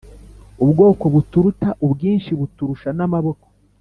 Ubwoko buturuta ubwinshi buturusha n amaboko